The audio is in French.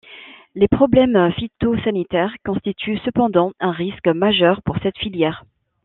Les problèmes phytosanitaires constituent cependant un risque majeur pour cette filière.